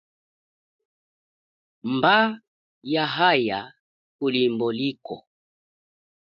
Mba, yaaya kulimbo likwo.